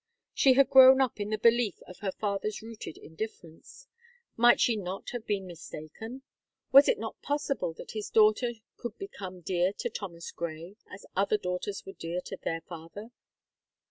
She had grown up in the belief of her father's rooted indifference; might she not have been mistaken? was it not possible that his daughter could become dear to Thomas Gray, as other daughters were dear to their father?